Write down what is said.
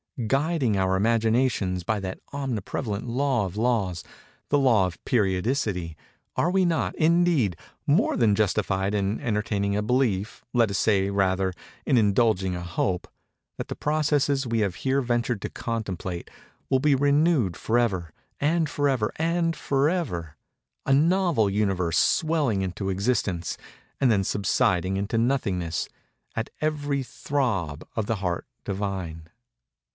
Guiding our imaginations by that omniprevalent law of laws, the law of periodicity, are we not, indeed, more than justified in entertaining a belief—let us say, rather, in indulging a hope—that the processes we have here ventured to contemplate will be renewed forever, and forever, and forever; a novel Universe swelling into existence, and then subsiding into nothingness, at every throb of the Heart Divine?